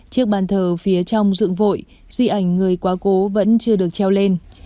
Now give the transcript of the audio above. chiếc bàn thờ phía trong dựng vội di ảnh người quá cố vẫn chưa được treo lên